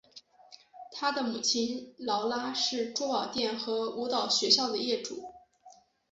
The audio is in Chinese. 她的母亲劳拉是珠宝店和舞蹈学校的业主。